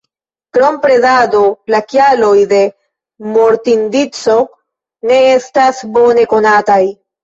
Krom predado la kialoj de mortindico ne estas bone konataj.